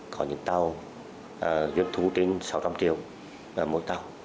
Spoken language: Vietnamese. có những tàu duyên thú đến sáu trăm linh triệu mỗi tàu